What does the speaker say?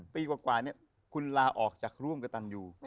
ปีกว่าเนี่ยคุณลาออกจากร่วมกระตันอยู่